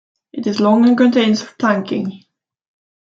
It is long and contains of planking.